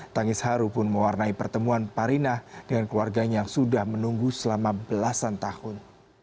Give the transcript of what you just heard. tangis haru pun mewarnai pertemuan parinah dengan keluarganya yang sudah menunggu selama belasan tahun